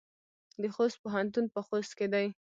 د خوست پوهنتون په خوست کې دی